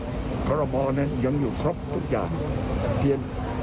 คมประยุทธ์เนี่ยยังอยู่ครบทุกอย่าง